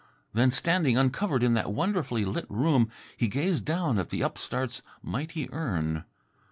Then, standing uncovered in that wonderfully lit room, he gazed down at the upstart's mighty urn.